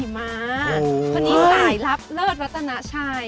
อีกหนึ่งขุดนะขี่มาร์ทเพราะดีสายลับเลิศรัตนะชาย